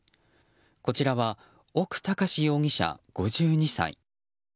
こちらは屋高志容疑者、５２歳。